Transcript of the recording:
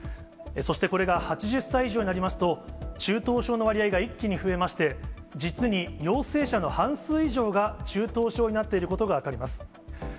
そしてこれが８０歳以上になりますと、中等症の割合が一気に増えまして、実に陽性者の半数以上が、中等症になっていることが分かります。